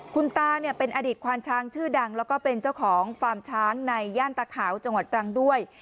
คุณตาเนี่ยเป็นอดีตควานช้างชื่อดังแล้วก็เป็นเจ้าของฟาร์มช้างในย่านตะขาวจังหวัดตรังด้วย